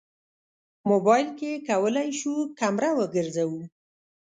موبایل کې کولی شو کمره وګرځوو.